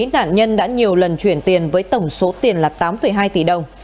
cả nhân đã nhiều lần chuyển tiền với tổng số tiền là tám hai tỷ đồng